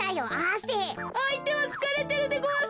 あいてはつかれてるでごわすよ。